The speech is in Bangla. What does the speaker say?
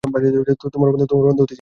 তোমার বন্ধু হতে চাই না আমি।